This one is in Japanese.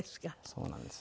そうなんです。